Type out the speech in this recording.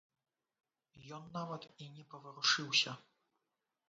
Ён нават і не паварушыўся.